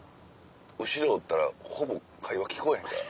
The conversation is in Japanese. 後ろおったらほぼ会話聞こえへんから。